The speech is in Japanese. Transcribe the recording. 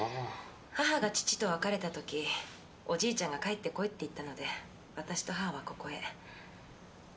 母が父と別れた時おじいちゃんが「帰って来い」って言ったので私と母はここへ。